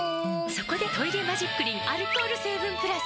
そこで「トイレマジックリン」アルコール成分プラス！